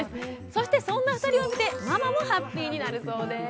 そしてそんな２人を見てママもハッピーになるそうです。